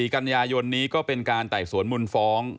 ๒๔กรณญายนต์นี้ก็เป็นการต่ายสวนมุมฟ้อง